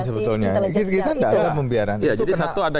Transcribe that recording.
itu adalah pembiaran sebetulnya